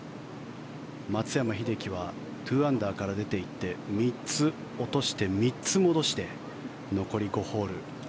松山英樹は２アンダーから出ていって３つ落として３つ戻して、残り５ホール。